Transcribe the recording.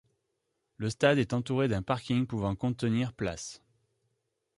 Le stade est entouré d'un parking pouvant contenir places.